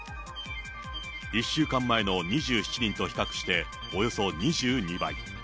１週間前の２７人と比較しておよそ２２倍。